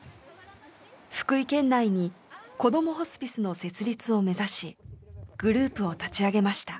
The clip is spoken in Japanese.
福井県内にこどもホスピスの設立を目指しグループを立ち上げました。